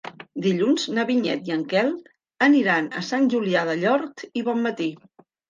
Dilluns na Vinyet i en Quel aniran a Sant Julià del Llor i Bonmatí.